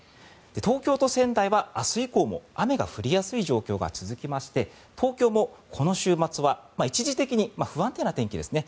東京と仙台は明日以降も雨が降りやすい状況が続きまして東京もこの週末は一時的に、不安定な天気ですね